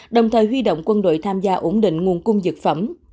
đồng thời huy động quân đội tham gia ổn định nguồn cung dược phẩm